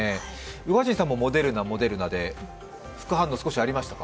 宇賀神さんも、モデルナ、モデルナで副反応は少しありましたか？